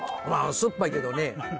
酸っぱいけどね。